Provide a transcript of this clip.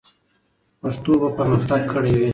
پښتو به پرمختګ کړی وي.